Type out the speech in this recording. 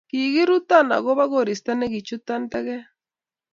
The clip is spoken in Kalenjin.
kikiruton akobo koristo ne kichuton teket